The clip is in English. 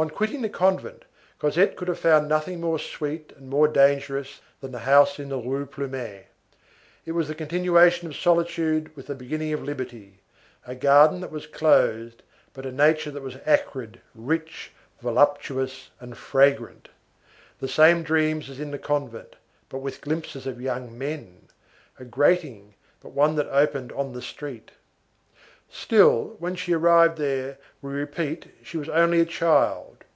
On quitting the convent, Cosette could have found nothing more sweet and more dangerous than the house in the Rue Plumet. It was the continuation of solitude with the beginning of liberty; a garden that was closed, but a nature that was acrid, rich, voluptuous, and fragrant; the same dreams as in the convent, but with glimpses of young men; a grating, but one that opened on the street. Still, when she arrived there, we repeat, she was only a child.